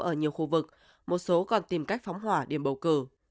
ở nhiều khu vực một số còn tìm cách phóng hỏa điểm bầu cử